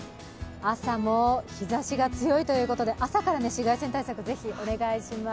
朝も日ざしが強いということで朝から紫外線対策是非、お願いします。